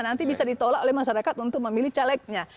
nanti bisa ditolak oleh masyarakat untuk memilih calegnya